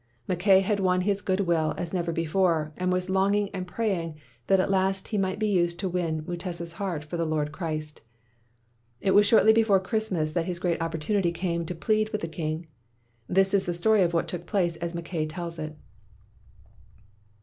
Mackay had won his good will as never before, and was longing and praying that at last he might be used to win Mu tesa 's heart for the Lord Christ. It was shortly before Christmas that his great opportunity came to plead with the king. This is the story of what took place as Mackay tells it.